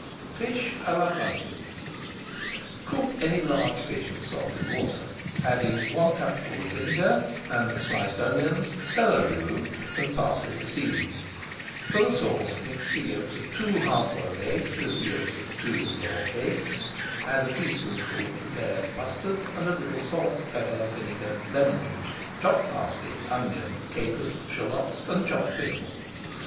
FISH À LA BRUNSWICK Cook any large fish in salted water, adding one cupful of vinegar, and sliced onions, celery root, and parsley to season. For the sauce mix the yolks of two hard boiled eggs with the yolks of two [Page 455] raw eggs, add a teaspoonful of prepared mustard, and a little salt, pepper, vinegar, lemon juice, chopped parsley, onion, capers, shallots, and chopped pickle.